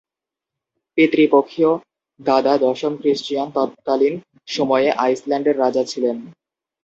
পিতৃপক্ষীয় দাদা দশম ক্রিস্টিয়ান তৎকালীন সময়ে আইসল্যান্ডের রাজা ছিলেন।